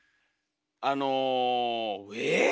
あのえぇ？